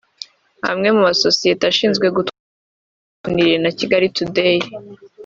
Amwe mu masosiyeti ashinzwe gutarwa abantu yaganiriye na Kigali Today